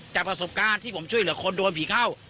จากประสบการณ์ที่ผมช่วยเหลือคนโดนผีเข้า